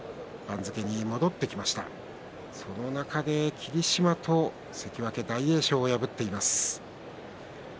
その中で霧島と関脇大栄翔を破っています。